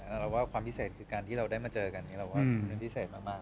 แต่เราว่าความพิเศษคือการที่เราได้มาเจอกันเราว่าเป็นพิเศษมากนะครับ